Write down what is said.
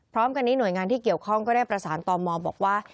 พร้อมกันนี้หน่วยงานที่เกี่ยวข้องก็ได้ประสานต่อมอบอกว่า